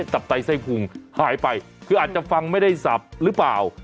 ตับไตไส้พุงหายไปคืออาจจะฟังไม่ได้สับหรือเปล่า